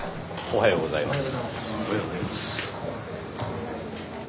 おはようございます。